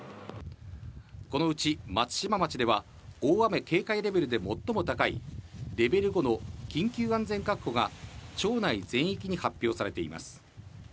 このうち松島町では、大雨警戒レベルで最も高いレベル５の緊急安全確保が、町内全域に発表されています。